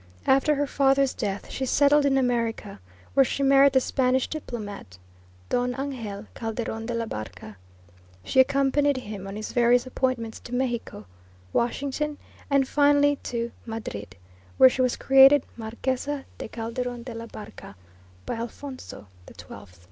After her father's death she settled in America, where she married the Spanish diplomat, Don Angel Calderon de la Barca. She accompanied him on his various appointments to Mexico, Washington, and finally to Madrid, where she was created Marquesa de Calderon de la Barca by Alfonso XII and died in 1882.